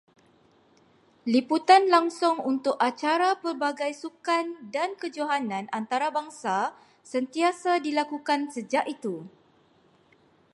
Liputan langsung untuk acara pelbagai sukan dan kejohanan antarabangsa sentiasa dilakukan sejak itu.